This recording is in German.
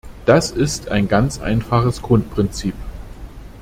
Das ist ein ganz einfaches Grundprinzip.